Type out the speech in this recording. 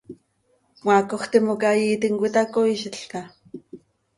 ¿Cmaacoj timoca iiitim cöitacoiizilca?